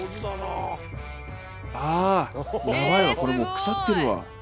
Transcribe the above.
ああやばいわこれもう腐ってるわ。